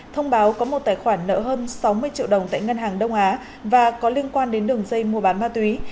thông báo có một tài khoản nợ hơn sáu mươi triệu đồng tại ngân hàng đông á và có liên quan đến đường dây mua bán ma túy